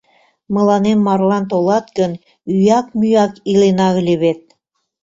Мыланем марлан толат гын, ӱяк-мӱяк илена ыле вет...